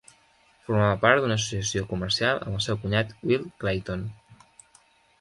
Formava part d'una associació comercial amb el seu cunyat Will Clayton.